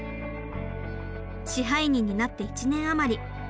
支配人になって１年余り。